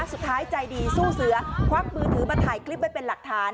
สุดท้ายใจดีสู้เสือควักมือถือมาถ่ายคลิปไว้เป็นหลักฐาน